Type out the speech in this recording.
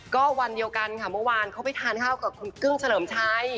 ก็วันเดียวกันค่ะเมื่อวานเขาไปทานข้าวกับคุณกึ้งเฉลิมชัย